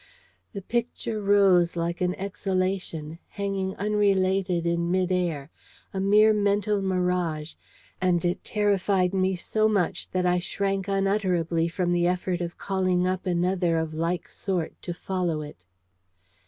The picture rose like an exhalation, hanging unrelated in mid air, a mere mental mirage: and it terrified me so much, that I shrank unutterably from the effort of calling up another of like sort to follow it.